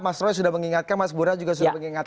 mas roy sudah mengingatkan mas burhan juga sudah mengingatkan